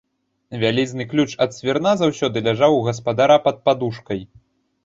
Вялізны ключ ад свірна заўсёды ляжаў у гаспадара пад падушкай.